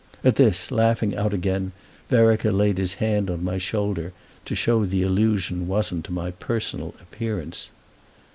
At this, laughing out again, Vereker laid his hand on my shoulder to show the allusion wasn't to my personal appearance.